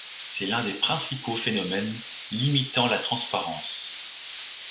C'est l'un des principaux phénomènes limitant la transparence.